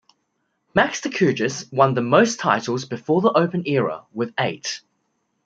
Max Decugis won the most titles before the Open era, with eight.